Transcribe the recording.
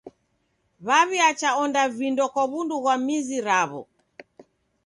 W'aw'iacha onda vindo kwa w'undu ghwa mizi raw'o.